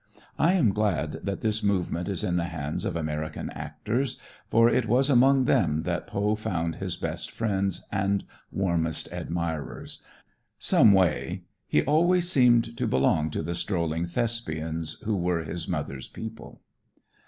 I am glad that this movement is in the hands of American actors, for it was among them that Poe found his best friends and warmest admirers. Some way he always seemed to belong to the strolling Thespians who were his mother's people.